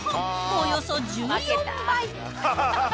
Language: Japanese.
およそ１４倍。